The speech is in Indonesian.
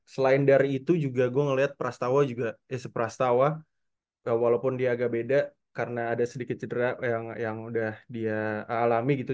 selain dari itu juga gue ngeliat prastawa juga prastawa walaupun dia agak beda karena ada sedikit cedera yang udah dia alami gitu